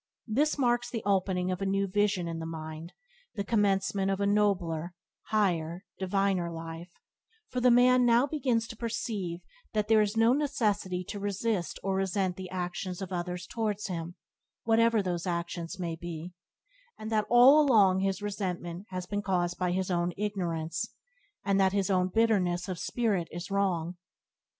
This marks the opening of a new vision in the mind, the commencement of a nobler, higher, diviner life; for the man now begins to perceive that there is no necessity to resist or resent the actions of others towards him, whatever those actions may be, and that all along his resentment has been caused by his own ignorance, and that his own bitterness of spirit is wrong.